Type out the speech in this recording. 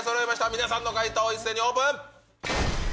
皆さんの回答、一斉にオープン。